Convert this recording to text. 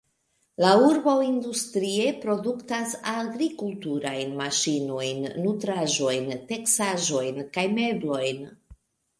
La urbo industrie produktas agrikulturajn maŝinojn, nutraĵojn, teksaĵojn kaj meblojn.